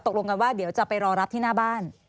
ตกลงกันว่าเดี๋ยวจะไปรอรับที่หน้าบ้าน